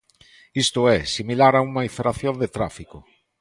Isto é, similar a unha infracción de tráfico.